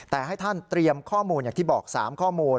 แต่ให้ท่านเตรียมข้อมูลอย่างที่บอก๓ข้อมูล